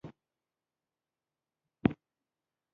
هغوی یې مجبور کړل چې خپل محصولات وپلوري.